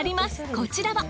こちらは。